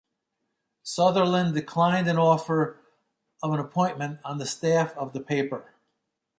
Sutherland declined an offer of an appointment on the staff of the paper.